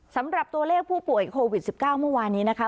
สำหรับตัวเลขผู้ป่วยโควิด๑๙เมื่อวานนี้นะคะ